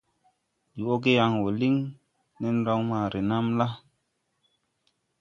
Ndi wɔ ge yaŋ ge wɔ liŋ nen naw renam la.